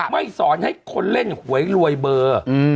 ไม่สอนให้คนเล่นหวยรวยเบอร์